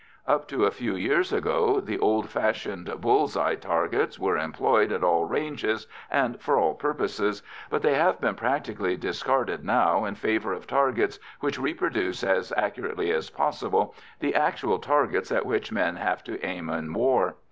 Up to a few years ago, the old fashioned "bull's eye" targets were employed at all ranges and for all purposes, but they have been practically discarded now in favour of targets which reproduce, as accurately as possible, the actual targets at which men have to aim in war.